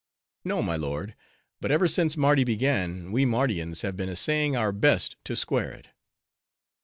"No, my lord, but ever since Mardi began, we Mardians have been essaying our best to square it."